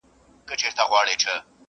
د ګوربت او د بازانو به مېله سوه،